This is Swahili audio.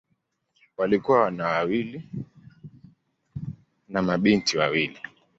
Walikuwa wana wawili na mabinti wawili.